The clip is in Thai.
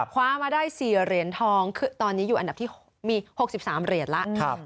คว้ามาได้๔เหรียญทองคือตอนนี้อยู่อันดับที่มี๖๓เหรียญแล้ว